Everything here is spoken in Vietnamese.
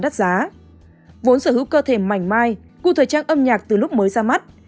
đắt giá vốn sở hữu cơ thể mảnh mai khu thời trang âm nhạc từ lúc mới ra mắt